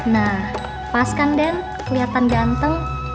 nah pas kan den kelihatan ganteng